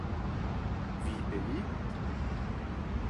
Wie beliebt?